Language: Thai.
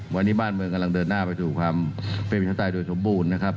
วันนี้บ้านเมืองกำลังเดินหน้าไปสู่ความเป็นประชาใจโดยสมบูรณ์นะครับ